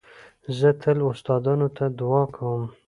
زه تل استادانو ته دؤعا کوم.